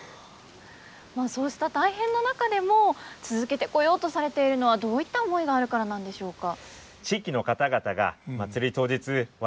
そうした大変な中でも続けてこようとされているのはどういった思いがあるからなんでしょうか？